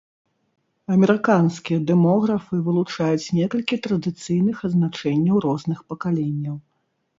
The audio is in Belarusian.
Амерыканскія дэмографы вылучаюць некалькі традыцыйных азначэнняў розных пакаленняў.